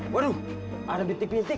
waduh ada bitik bitik